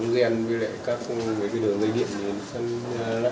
việt nam đã tạo ra một hệ thống dây dẫn điện để phòng ngừa hỏa hoạn